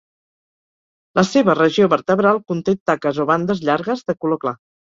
La seva regió vertebral conté taques o bandes llargues de color clar.